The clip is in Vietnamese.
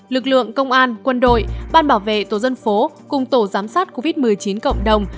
lực lượng công an quân đội ban bảo vệ tổ dân phố cùng tổ giám sát covid một mươi chín cộng đồng